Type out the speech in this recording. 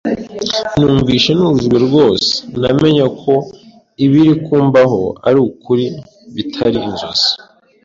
Numvise nujujwe rwose, namenye ko ibiri kumbaho ari ukuri bitari inzozi